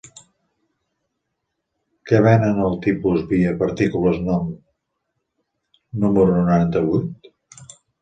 Què venen al TIPUS_VIA PARTICULES NOM número noranta-vuit?